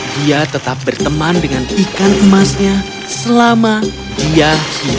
dia tetap berteman dengan ikan emasnya selama dia hidup